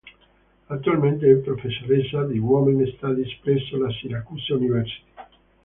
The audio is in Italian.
Attualmente è professoressa di women's studies presso la Syracuse University.